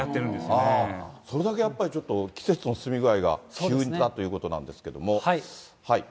それだけやっぱりちょっと季節の進み具合が、急激だということなんですけれども。